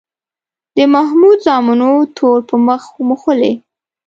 د محمود زامنو تور په مخ موښلی.